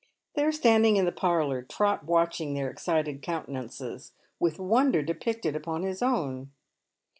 I'hey are standing in the parlour, Trot watching fiieir excited countenances, with wonder depicted upon his own.